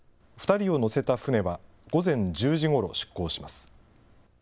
２人を乗せた船は午前１０時ごろ出航します。